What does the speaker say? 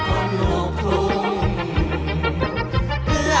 เพื่อพลังสะท้าของคนลูกทุก